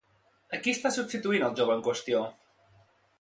A qui està substituint el jove en qüestió?